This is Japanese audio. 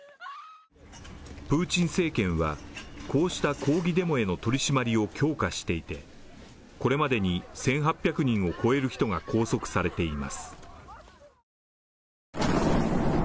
プーチン政権は、こうした抗議デモへの取り締まりを強化していてこれまでに１８００人を超える人が拘束されています。